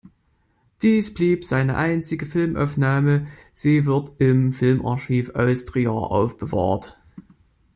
Dies blieb seine einzige Filmaufnahme; sie wird im Filmarchiv Austria aufbewahrt.